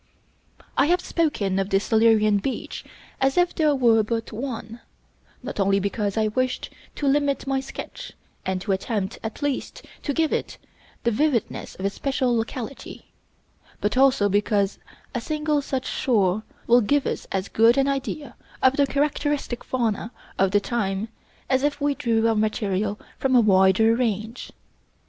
I have spoken of the Silurian beach as if there were but one, not only because I wished to limit my sketch, and to attempt at least to give it the vividness of a special locality, but also because a single such shore will give us as good an idea of the characteristic fauna of the time as if we drew our material from a wider range.